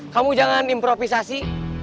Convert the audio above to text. kamu jangan improvisasi